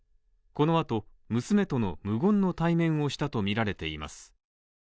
この後、娘との無言の対面をしたとみられています。